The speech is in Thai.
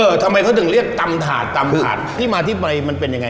ทำไมเขาถึงเรียกตำถาดตำถาดที่มาที่ไปมันเป็นยังไง